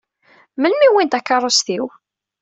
Melmi i wwin takeṛṛust-iw?